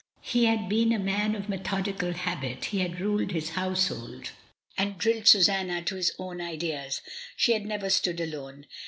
He had been a man of me thodical habits; he had ruled his household, and 42 MRS. DYMOND. drilled Susanna to his own ideas; she had never stood alone.